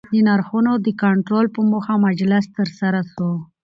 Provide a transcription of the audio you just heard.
د نرخونو د کنټرول په موخه مجلس ترسره سو